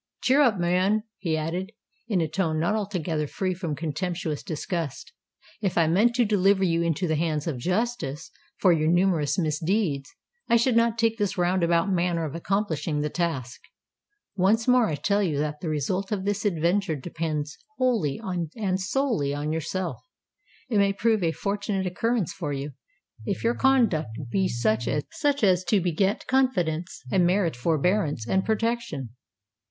"Cheer up, man," he added, in a tone not altogether free from contemptuous disgust: "if I meant to deliver you into the hands of justice, for your numerous misdeeds, I should not take this round about manner of accomplishing the task. Once more I tell you that the result of this adventure depends wholly and solely on yourself. It may prove a fortunate occurrence for you, if your conduct be such as to beget confidence and merit forbearance and protection."